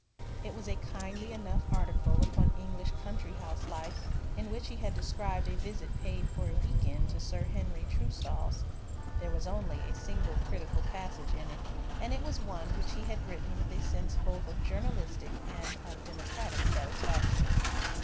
It was a kindly enough article upon English country house life in which he had described a visit paid for a week end to Sir Henry Trustall's. There was only a single critical passage in it, and it was one which he had written with a sense both of journalistic and of democratic satisfaction.